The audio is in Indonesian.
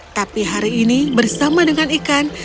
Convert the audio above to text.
tapi hari ini bersama dengan ikan